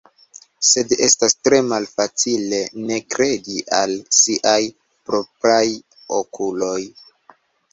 Sed estas tre malfacile ne kredi al siaj propraj okuloj.